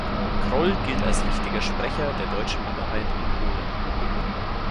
Kroll gilt als wichtiger Sprecher der deutschen Minderheit in Polen.